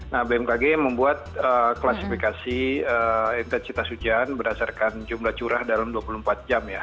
nah bmkg membuat klasifikasi intensitas hujan berdasarkan jumlah curah dalam dua puluh empat jam ya